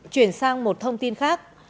chuyển sang một thông tin khác